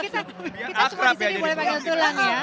kita suka disini boleh panggil tulang ya